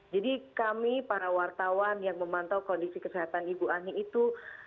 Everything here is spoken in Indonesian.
jadi kami para wartawan yang memantau kondisi kesehatan ibu ani itu